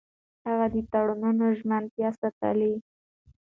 هغه د تړونونو ژمنتيا ساتله.